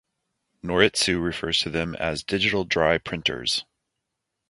Noritsu refers to them as "digital dry printers".